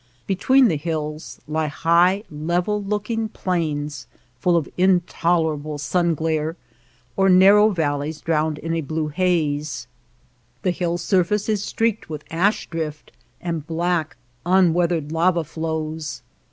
Between the hills lie hisjh level looking plains full of intolerable sun glare, or nar row valleys drowned in a blue haze. The hill surface is streaked with ash drift and black, unweathered lava flows.